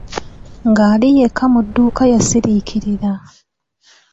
Ng'ali yekka mu dduuka yasirikirira.